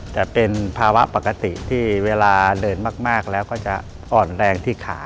แต่เป็นภาวะปกติที่เวลาเดินมากแล้วก็จะอ่อนแรงที่ขา